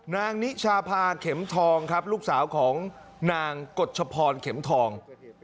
นิชาพาเข็มทองครับลูกสาวของนางกฎชพรเข็มทอง